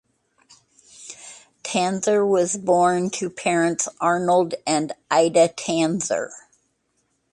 Tanzer was born to parents Arnold and Ida Tanzer.